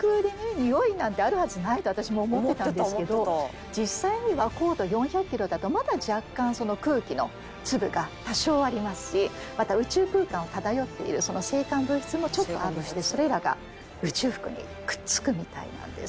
においなんてあるはずないと私も思ってたんですけど実際には高度４００キロだとまだ若干空気の粒が多少ありますしまた宇宙空間を漂っている星間物質もちょっとあるのでそれらが宇宙服にくっつくみたいなんです。